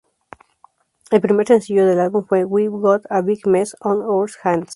El primer sencillo del álbum fue "We've Got a Big Mess on Our Hands".